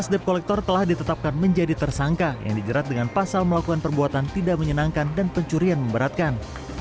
lima belas dep kolektor telah ditetapkan menjadi tersangka yang dijerat dengan pasal melakukan perbuatan tidak menyenangkan dan pencurian memberatkan